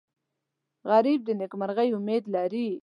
غریب د نیکمرغۍ امید لري